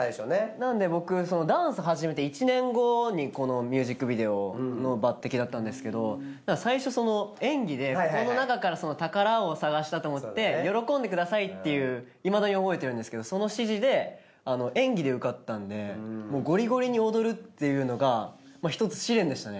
なんで僕ダンス始めて１年後にこのミュージックビデオの抜擢だったんですけど最初その演技でこの中から宝を探したと思って喜んでくださいっていういまだに覚えてるんですけどその指示で演技で受かったんでもうゴリゴリに踊るっていうのがひとつ試練でしたね。